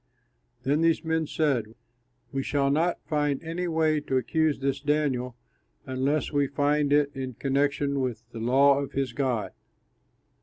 Then these men said, "We shall not find any way to accuse this Daniel unless we find it in connection with the law of his God."